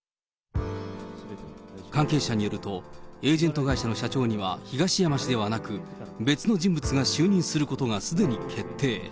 関係者によると、エージェント会社の社長には東山氏ではなく、別の人物が就任することがすでに決定。